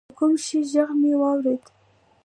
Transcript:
د کوم شي ږغ مې اورېده.